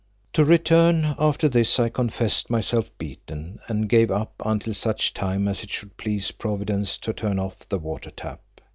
To return—after this I confessed myself beaten and gave up until such time as it should please Providence to turn off the water tap.